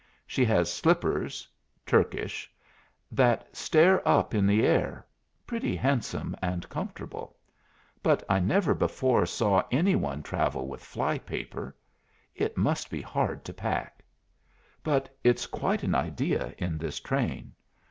She has slippers Turkish that stare up in the air, pretty handsome and comfortable. But I never before saw any one travel with fly paper. It must be hard to pack. But it's quite an idea in this train.